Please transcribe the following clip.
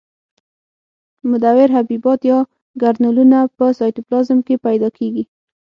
مدور حبیبات یا ګرنولونه په سایتوپلازم کې پیدا کیږي.